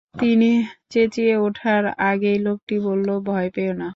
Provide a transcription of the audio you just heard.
তিনি চেঁচিয়ে ওঠার আগেই লোকটি বলল, ভয় পেও না।